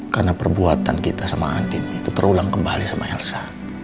karena perbuatan kita sama adin itu terulang kembali sama elsa